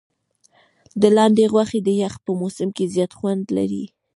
د لاندي غوښي د یخ په موسم کي زیات خوند لري.